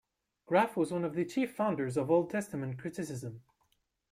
Graf was one of the chief founders of Old Testament criticism.